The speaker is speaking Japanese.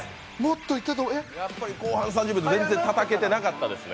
やっぱり後半３０秒全然たたけてなかったですね。